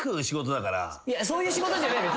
そういう仕事じゃないのよ。